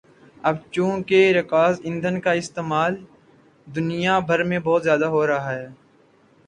اب چونکہ رکاز ایندھن کا استعمال دنیا بھر میں بہت زیادہ ہورہا ہے